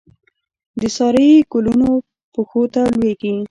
د سارايي ګلونو پښو ته لویږې